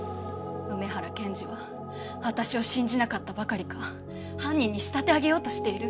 梅原検事は私を信じなかったばかりか犯人に仕立て上げようとしている。